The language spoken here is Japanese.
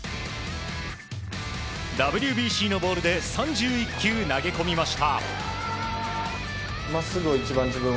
ＷＢＣのボールで３１球投げ込みました。